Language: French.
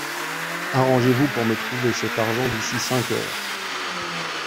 Arrangez-vous pour me trouver cet argent d’ici cinq heures.